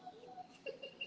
thank you cnn indonesia